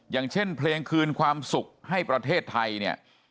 อย่างเช่นเพลงคืนความสุขให้ประเทศไทยเนี่ย